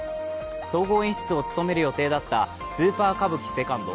総合演出を務める予定だったスーパー歌舞伎Ⅱ